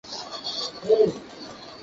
বাবা মায়ের সাত ছেলে ও সাত মেয়ে।